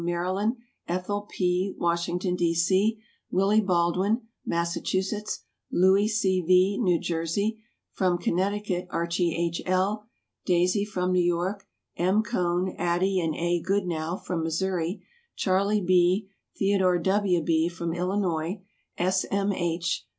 Maryland; Ethel P., Washington, D. C.; Willie Baldwin, Massachusetts; Louis C. V., New Jersey. From Connecticut Archie H. L., "Daisy." From New York M. Cohn, Addie and A. Goodnow. From Missouri Charlie B., Theodore W. B. From Illinois S. M. H.